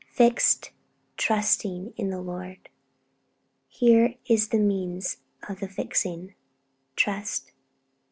'Fixed, trusting in the Lord.' Here is the means of the fixing trust.